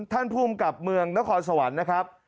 ท่านภูมิกับเมืองนครสวรรค์นะครับ